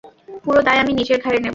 পুরো দায় আমি নিজের ঘাড়ে নেবো।